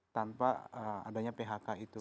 tanpa adanya phk itu